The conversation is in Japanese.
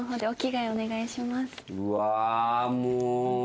うわもう。